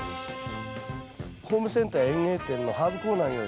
ホームセンターや園芸店のハーブコーナーにはですね